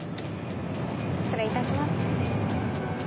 失礼いたします。